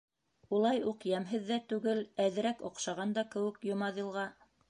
Улай уҡ йәмһеҙ ҙә түгел, әҙерәк оҡшаған да кеүек Йомаҙилға.